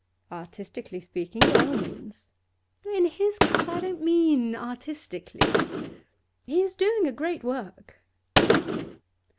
'Artistically speaking, by all means.' 'In his case I don't mean it artistically. He is doing a great work.